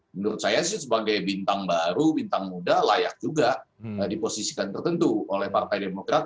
menurut saya sih sebagai bintang baru bintang muda layak juga diposisikan tertentu oleh partai demokrat